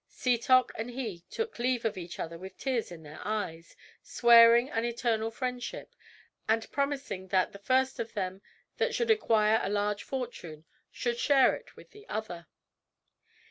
Setoc and he took leave of each other with tears in their eyes, swearing an eternal friendship, and promising that the first of them that should acquire a large fortune should share it with the other.